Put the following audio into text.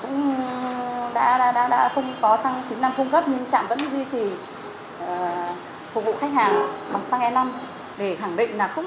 phục vụ khách hàng bằng xăng e năm để khẳng định là không bao giờ tổng công ty nhắc nguồn xăng cho các trạm